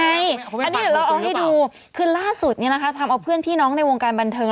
อันนี้เดี๋ยวเราเอาให้ดูคือล่าสุดทำเอาเพื่อนพี่น้องในวงการบันเทิง